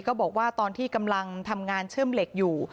บอกว่าตอนที่กำลังทำงานเชื่อมเหล็กอยู่